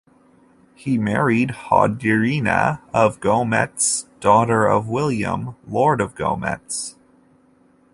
He married Hodierna of Gometz, daughter of William, lord of Gometz.